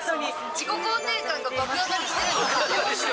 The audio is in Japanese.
自己肯定感が爆上がりしてるんですけど。